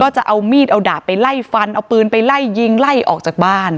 จะเอามีดเอาดาบไปไล่ฟันเอาปืนไปไล่ยิงไล่ออกจากบ้าน